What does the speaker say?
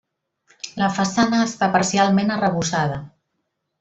La façana està parcialment arrebossada.